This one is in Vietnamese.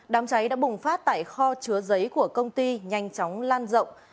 đám cháy đã bùng phát tại kho chứa giấy của công ty nhanh chóng lan rộng